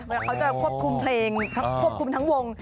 เขาจะควบคุมเพลงควบคุมทั้งวง